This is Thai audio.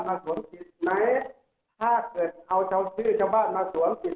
ถ้าสวมชื่อทั่วประเทศ๗๗จังหวักอย่างนี้ทุกจังหวักนะครับ